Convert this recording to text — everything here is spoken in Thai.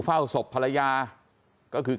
เฝ้าศพภรรยาก็คือ